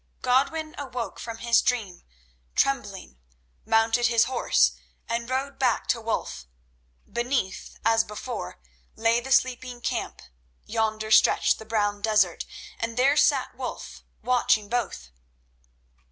Godwin awoke from his dream trembling, mounted his horse, and rode back to Wulf. Beneath, as before, lay the sleeping camp, yonder stretched the brown desert, and there sat Wulf watching both.